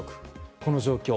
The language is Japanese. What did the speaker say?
この状況。